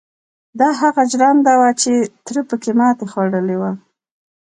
دا هغه ژرنده وه چې تره پکې ماتې خوړلې وه.